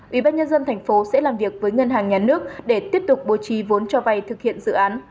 ủy ban nhân dân tp sẽ làm việc với ngân hàng nhà nước để tiếp tục bố trí vốn cho vay thực hiện dự án